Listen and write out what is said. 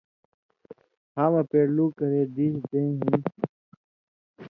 ہا مہ پیڑلو کرے دیس دېں ہِن